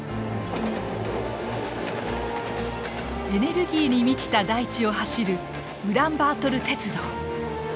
エネルギーに満ちた大地を走るウランバートル鉄道。